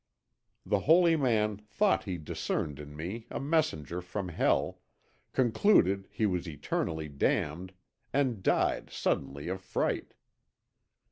The holy man thought he discerned in me a messenger from Hell, concluded he was eternally damned, and died suddenly of fright.